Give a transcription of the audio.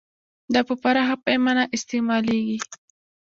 دا په پراخه پیمانه استعمالیږي.